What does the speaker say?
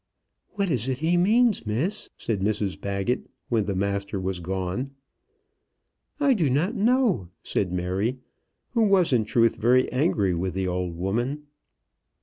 "What is it he means, Miss?" said Mrs Baggett, when the master was gone. "I do not know," said Mary, who was in truth very angry with the old woman.